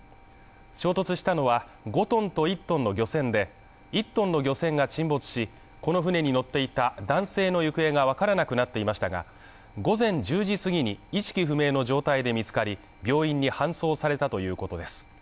衝突したのは５ｔと１ｔの漁船で１ｔの漁船が沈没しこの船に乗っていた男性の行方がわからなくなっていましたが、午前１０時過ぎに意識不明の状態で見つかり、病院に搬送されたということです。